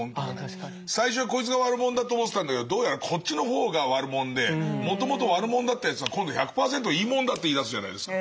最初はこいつがワルもんだと思ってたんだけどどうやらこっちの方がワルもんでもともとワルもんだったヤツは今度１００％いいもんだって言いだすじゃないですか。